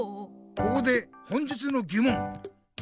ここで本日のぎもん！